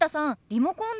リモコン